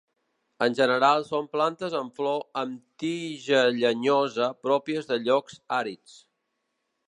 En general són plantes amb flor amb tija llenyosa pròpies de llocs àrids.